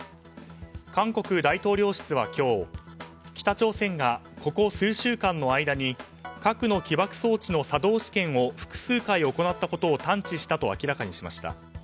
韓国大統領室は今日、北朝鮮がここ数週間の間に核の起爆装置の作動試験を複数回行ったことを探知したと明らかにしました。